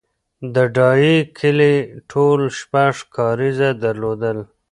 د ډایی کلی ټول شپږ کارېزه درلودل